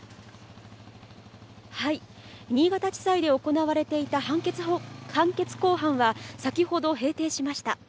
新潟地裁で行われていた判決公判は、先ほど閉廷しました。